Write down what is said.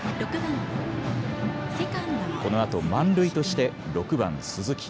このあと満塁として６番・鈴木。